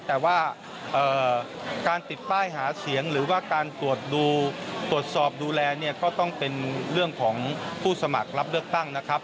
แต่ว่าการติดป้ายหาเสียงหรือว่าการตรวจดูตรวจสอบดูแลเนี่ยก็ต้องเป็นเรื่องของผู้สมัครรับเลือกตั้งนะครับ